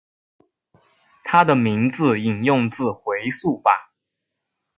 他的名字引用自回溯法。